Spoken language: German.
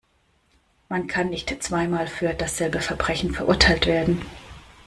Man kann nicht zweimal für dasselbe Verbrechen verurteilt werden.